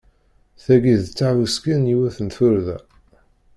Tagi d tahuski n yiwet n turda.